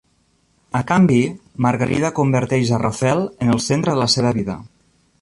A canvi, Margarida converteix a Rafel en el centre de la seva vida.